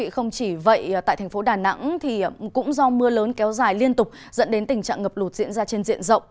không chỉ vậy tại thành phố đà nẵng cũng do mưa lớn kéo dài liên tục dẫn đến tình trạng ngập lụt diễn ra trên diện rộng